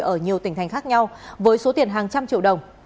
ở nhiều tỉnh thành khác nhau với số tiền hàng trăm triệu đồng